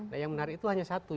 nah yang menarik itu hanya satu